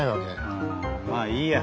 あまあいいや。